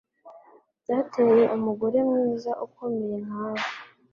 Byateye umugore mwiza ukomeye nkawe